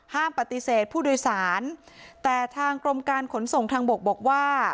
ปฏิเสธผู้โดยสารแต่ทางกรมการขนส่งทางบกบอกว่า